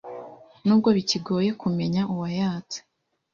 nubwo bikigoye kumenya uwayatse